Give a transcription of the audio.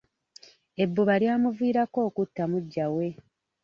Ebbuba lyamuviirako kutta muggya we.